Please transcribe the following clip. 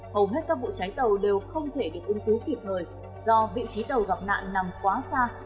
hầu hết các vụ cháy tàu đều không thể được ứng cứu kịp thời do vị trí tàu gặp nạn nằm quá xa